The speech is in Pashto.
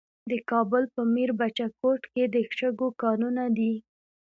د کابل په میربچه کوټ کې د شګو کانونه دي.